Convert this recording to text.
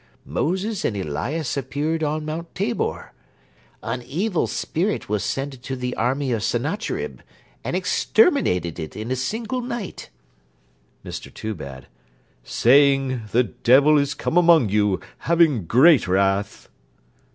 Moses and Elias appeared on Mount Tabor. An evil spirit was sent into the army of Sennacherib, and exterminated it in a single night. MR TOOBAD Saying, The devil is come among you, having great wrath.